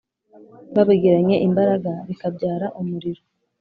babigiranye imbaraga bikabyara umuriro